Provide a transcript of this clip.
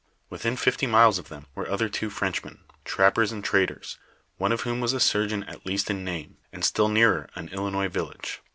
Within fifty miles of them were two other Frenchmen, trap pei*s and traders, one of whom was a surgeon at least in name, and still nearer an Illinois village.